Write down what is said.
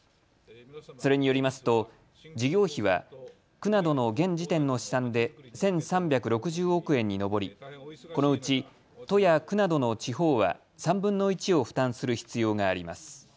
それによりますと事業費は区などの現時点の試算で１３６０億円に上りこのうち都や区などの地方は３分の１を負担する必要があります。